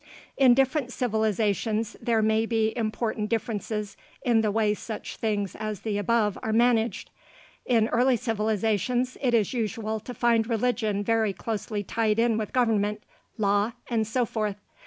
In different civilizations, there may be important differences in the way such things as the above are managed. In early civilizations, it is usual to find religion very closely tied in with government, law, and so forth.